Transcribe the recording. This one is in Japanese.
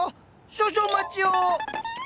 少々お待ちを！